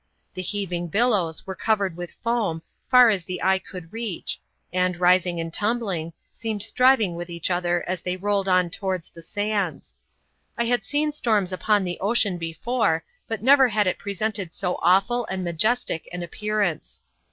The heaving billows were covered with foam, far as the eye could reach, and, rising and tumbling, seemed striving with each other as they rolled on towards the sands. I had seen storms upon the ocean before, but never had it presented so awful and majestic an appearance.